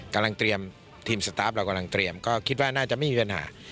กำลังเตรียมทีมสตาร์ฟเรากำลังเตรียมก็คิดว่าน่าจะไม่มีปัญหา